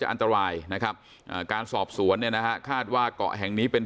อันตรายนะครับการสอบสวนเนี่ยนะฮะคาดว่าเกาะแห่งนี้เป็น